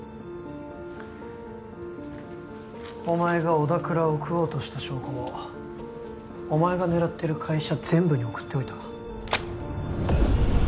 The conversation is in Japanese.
お前が小田倉を喰おうとした証拠をお前が狙ってる会社全部に送っておいた